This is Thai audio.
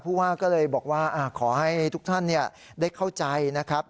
ผู้ว่าก็เลยบอกว่าขอให้ทุกท่านได้เข้าใจนะครับ